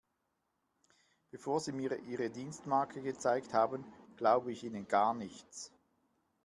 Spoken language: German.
Bevor Sie mir Ihre Dienstmarke gezeigt haben, glaube ich Ihnen gar nichts.